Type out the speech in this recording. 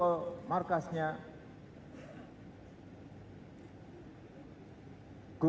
masuk ke markasnya facebook